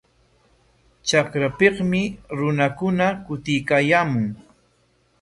Trakrapikmi runakuna kutiykaayaamun.